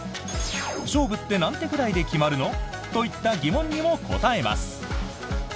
勝負って何手ぐらいで決まるの？といった疑問にも答えます。